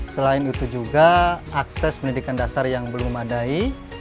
selain itu juga akses pendidikan dasar yang belum memadai